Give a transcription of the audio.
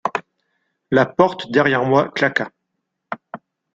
La porte, derrière moi, claqua.